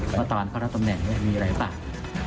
เพราะตอนเขารับตำแหน่งมีอะไรเปล่า